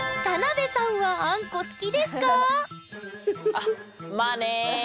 あっまあね。